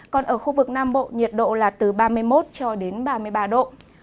còn ở khu vực nam bộ nhiệt độ là từ ba mươi một cho đến ba mươi ba độ